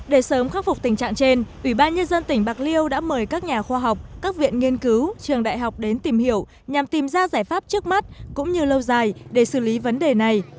để sớm khắc phục tình trạng trên ủy ban nhân dân tỉnh bạc liêu đã mời các nhà khoa học các viện nghiên cứu trường đại học đến tìm hiểu nhằm tìm ra giải pháp trước mắt cũng như lâu dài để xử lý vấn đề này